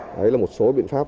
đấy là một số biện pháp